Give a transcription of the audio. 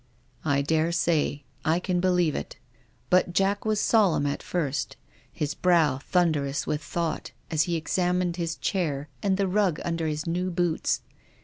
" I daresay. I can believe it. But Jack was sol emn at first, his brow thunderous with thought, as he examined his chair and the rug under his new boots.